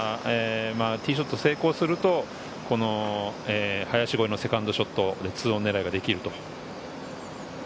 ティーショット成功すると、林越えのセカンドショットで２オン狙いができるという。